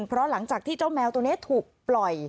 เพราะหลังจากที่เจ้าแมวตัวนี้ถูกปล่อย